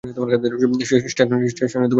স্টেশনে প্রচুর কাজ।